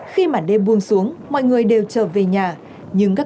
khi màn đêm buông xuống mọi người đều chờ về nhà